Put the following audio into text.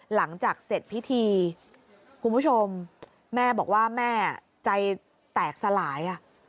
หลังจากเสร็จพิธีคุณผู้ชมแม่บอกว่าแม่ใจแตกสลาย